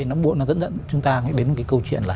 nó dẫn dẫn chúng ta đến câu chuyện